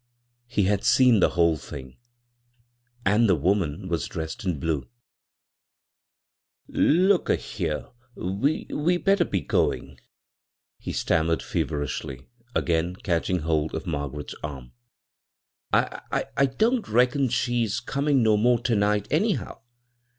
He had seen the whole thing — and the woman was dressed in blue I " Look a here, we — we better be goin'/' he stammered feverishly, again catching hold of Margaret's arm. " I — I don't reckon she's comin' no more ter night, anyhow.